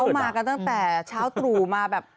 มากันตั้งแต่เช้าตรู่มาแบบ